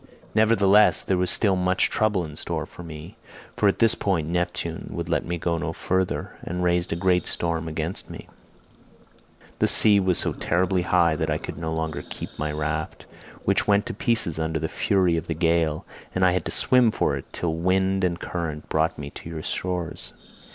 Nevertheless there was still much trouble in store for me, for at this point Neptune would let me go no further, and raised a great storm against me; the sea was so terribly high that I could no longer keep to my raft, which went to pieces under the fury of the gale, and I had to swim for it, till wind and current brought me to your shores.